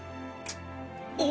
お！